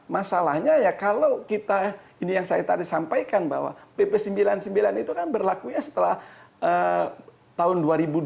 masalahnya ya kalau kita ini yang saya tadi sampaikan bahwa pp sembilan puluh sembilan itu kan berlakunya setelah tahun dua ribu dua puluh